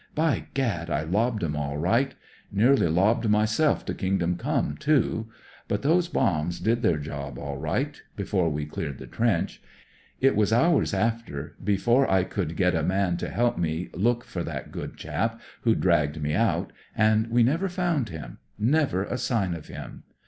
By gad, I lobbed 'em all right; nearly lobbed myself to Kingdom come, too. But those bombs did their job all right, before we cleared the trench. It was hours after, before I I. :»■'■' THE DE HL'S WOOD 85 could get a man to help me look for that good chap who*d dragged me out, and we never found him — ^never a sign of him.